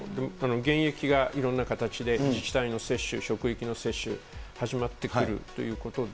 現役がいろんな形で自治体の接種、職域の接種、始まってくるということで、